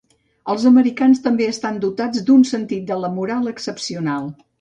Els americans també estan dotats d'un sentit de la moral excepcional.